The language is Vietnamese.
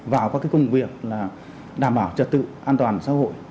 vào các công việc là đảm bảo trật tự an toàn xã hội